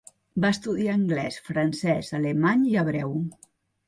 Va estudiar anglès, francès, alemany i hebreu.